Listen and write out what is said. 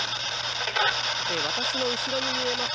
私の後ろに見えます